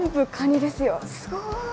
すごい